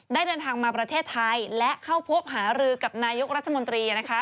เดินทางมาประเทศไทยและเข้าพบหารือกับนายกรัฐมนตรีนะคะ